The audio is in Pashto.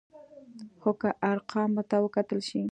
خو که ارقامو ته وکتل شي،